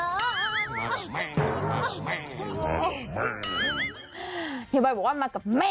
ไม่รู้ว่าเขามากับใครไม่รู้ว่าเขามากับใคร